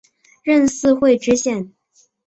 任四会知县。